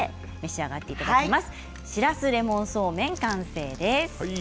しらすレモンそうめん完成です。